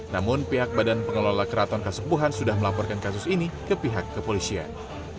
namun pihak badan pengelola keraton kasepuhan sudah melaporkan kasus ini ke pihak kepolisian